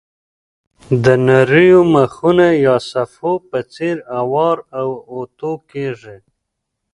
د نریو مخونو یا صفحو په څېر اوار او اوتو کېږي.